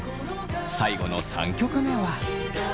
最後の３曲目は。